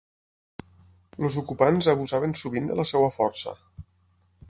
Els ocupants abusaven sovint de la seva força.